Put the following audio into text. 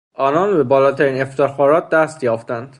آنان به بالاترین افتخارات دست یافتند.